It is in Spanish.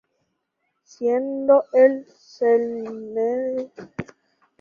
Siendo el semestre en el que menos partidos jugó por Colo-Colo.